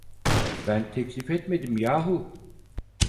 Ben teklif etmedim yahu!